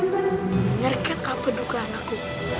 menyurkan apa dugaan aku